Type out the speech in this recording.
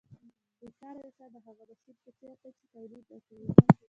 بې کاره انسان د هغه ماشین په څېر دی چې تولید نه کوي